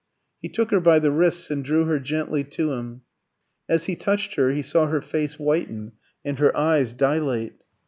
He took her by the wrists and drew her gently to him. As he touched her he saw her face whiten and her eyes dilate.